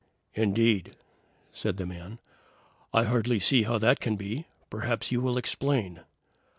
"Indeed!" said the man. "I hardly see how that can be. Perhaps you will explain."